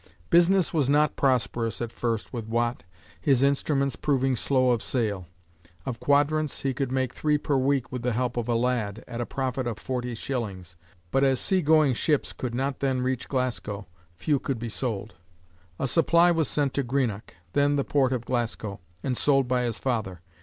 Business was not prosperous at first with Watt, his instruments proving slow of sale. Of quadrants he could make three per week with the help of a lad, at a profit of forty shillings, but as sea going ships could not then reach Glasgow, few could be sold. A supply was sent to Greenock, then the port of Glasgow, and sold by his father.